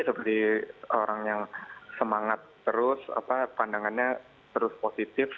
seperti orang yang semangat terus pandangannya terus positif